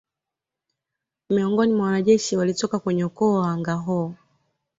Miongoni mwa wanajeshi walitoka kwenye ukoo wa Wangâhoo